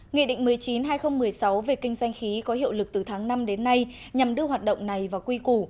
nghị định một mươi chín hai nghìn một mươi sáu về kinh doanh khí có hiệu lực từ tháng năm đến nay nhằm đưa hoạt động này vào quy củ